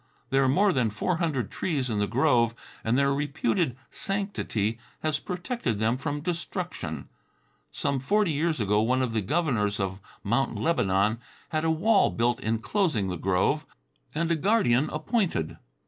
There are more than four hundred trees in the grove and their reputed sanctity has protected them from destruction. Some forty years ago one of the governors of Mount Lebanon had a wall built inclosing the grove and a guardian appointed.